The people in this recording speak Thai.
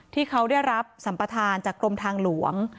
ที่เขาได้รับสัมประธานจากกรมทางหลวง